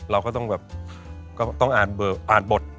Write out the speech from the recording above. เราก็ต้องแบบก็ต้องอ่านเบอร์อ่านบท